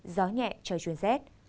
gió nhẹ trời chuồn rét